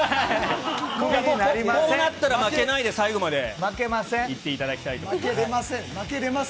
こうなったら負けないで、最後までいっていただきたいと思います。